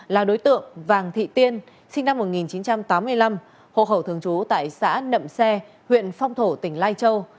là đối tượng vàng thị tiên sinh năm một nghìn chín trăm tám mươi năm hộ khẩu thường trú tại xã nậm xe huyện phong thổ tỉnh lai châu